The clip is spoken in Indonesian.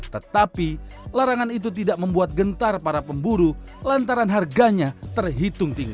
tetapi larangan itu tidak membuat gentar para pemburu lantaran harganya terhitung tinggi